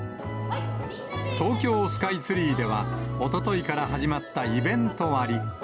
東京スカイツリーでは、おとといから始まったイベント割。